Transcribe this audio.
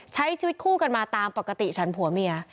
ใช้ชีวิตคู่กันมาตามปกติฉันผัวเมีย